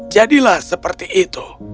jadilah seperti itu